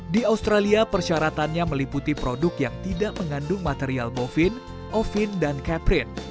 di australia persyaratannya meliputi produk yang tidak mengandung material bovin ovin dan caprin